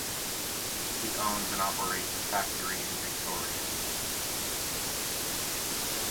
He owns and operates a factory in Victoria.